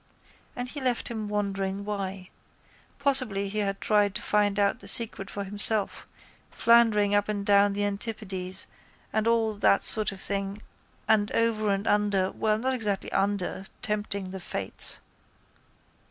And it left him wondering why. Possibly he had tried to find out the secret for himself, floundering up and down the antipodes and all that sort of thing and over and under, well, not exactly under, tempting the fates.